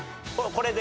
これで？